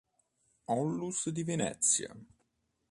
Onlus di Venezia.